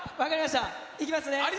いきますね。